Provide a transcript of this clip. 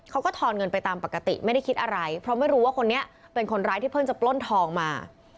ทอนเงินไปตามปกติไม่ได้คิดอะไรเพราะไม่รู้ว่าคนนี้เป็นคนร้ายที่เพิ่งจะปล้นทองมา